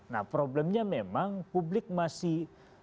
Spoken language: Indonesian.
nah problemnya memang publik masih